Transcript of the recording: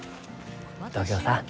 東京さん